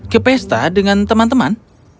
ke pesta dengan teman teman